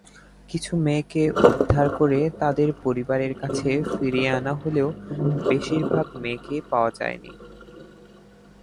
কিছু মেয়েকে উদ্ধার করে তাদের পরিবারের কাছে ফিরিয়ে আনা হলেও, বেশিরভাগ মেয়েকে পাওয়া যায়নি।